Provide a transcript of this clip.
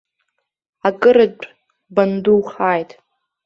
Акырынтә бандухааит.